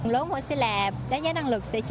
lớn mỗi sẽ là đánh giá năng lực